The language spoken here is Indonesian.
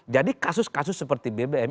jadi kasus kasus seperti bbm